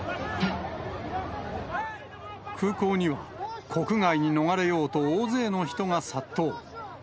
空港には、国外に逃れようと大勢の人が殺到。